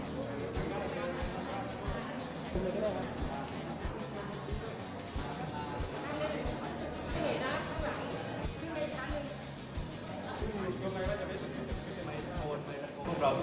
สวัสดีครับทุกคนนะครับที่ได้รับการบัตรสูญให้เป็นคุณครับ